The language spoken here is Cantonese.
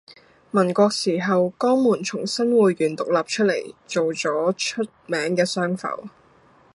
民國時候江門從新會縣獨立出嚟做咗出名嘅商埠